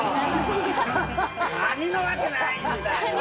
ハハハカニのわけないんだよ